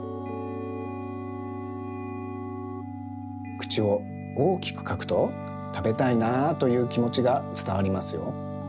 くちをおおきくかくと「たべたいなあ」というきもちがつたわりますよ。